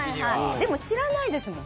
でも知らないですもん。